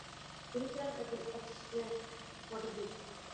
তিনি ছিলেন একজন এক্স-রে স্ফটিকবিদ।